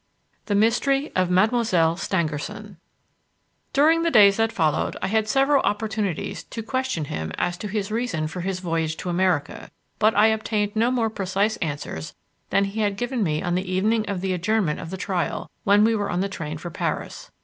The Mystery of Mademoiselle Stangerson During the days that followed I had several opportunities to question him as to his reason for his voyage to America, but I obtained no more precise answers than he had given me on the evening of the adjournment of the trial, when we were on the train for Paris.